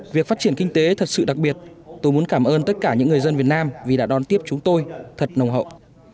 việc phát triển kinh tế thật sự đặc biệt tôi muốn cảm ơn tất cả những người dân việt nam vì đã đón tiếp chúng tôi thật nồng hậu